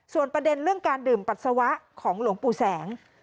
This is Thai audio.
ส่วนประเด็นเรื่องการดื่มปัสสาวะของหลวงปู่แสง